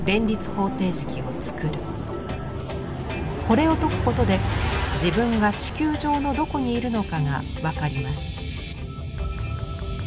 これを解くことで自分が地球上のどこにいるのかがわかります。